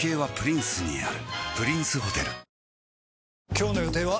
今日の予定は？